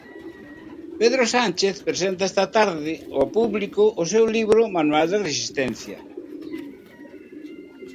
Pedro Sánchez presenta esta tarde ao público o seu libro "Manual de Resistencia".